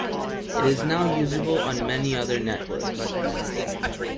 It is now usable on many other networks.